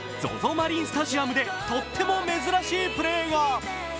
マリンスタジアムでとっても珍しいプレーが。